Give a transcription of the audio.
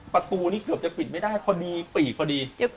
ประตูนี้เกือบจะปิดไม่ได้พอดีปีกพอดี